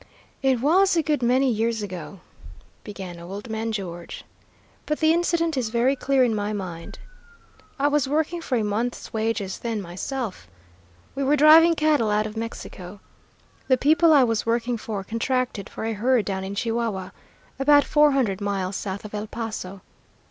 "It was a good many years ago," began old man George, "but the incident is very clear in my mind. I was working for a month's wages then myself. We were driving cattle out of Mexico. The people I was working for contracted for a herd down in Chihuahua, about four hundred miles south of El Paso.